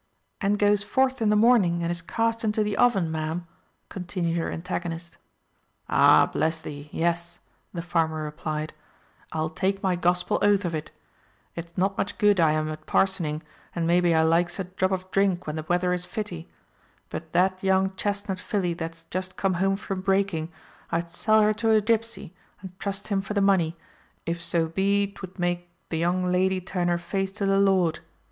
"And goes forth in the morning, and is cast into the oven, ma'am," continued her antagonist. "Ah, bless thee, yes!" the farmer replied, "I'll take my gospel oath of it. It's not much good I am at parsoning, and maybe I likes a drop of drink when the weather is fitty; but that young chestnut filly that's just come home from breaking, I'd sell her to a gipsey, and trust him for the money, if so be 'twould make the young lady turn her face to the Lord.